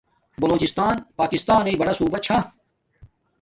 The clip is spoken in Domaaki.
بولوجستان پاکستانݵ بڑا صوبہ چھا